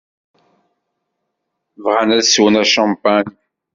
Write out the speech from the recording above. Bɣan ad swen acampan.